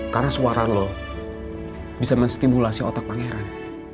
karena suara lo bisa menstimulasi otak pangeran